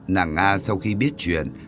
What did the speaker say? nàng nga sau khi biết chuyện